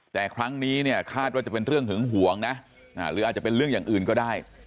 แต่ครั้งนี้เนี่ยคาดว่าจะเป็นเรื่องหึงหวงนะหรืออาจจะเป็นเรื่องอย่างอื่นก็ได้